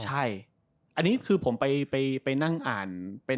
อันนี้คือผมไปนั่งอ่าน